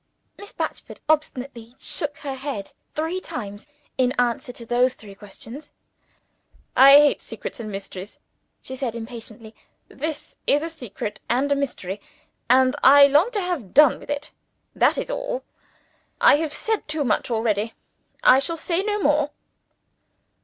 Miss Batchford obstinately shook her head three times, in answer to those three questions. "I hate secrets and mysteries," she said impatiently. "This is a secret and a mystery and I long to have done with it. That is all. I have said too much already. I shall say no more."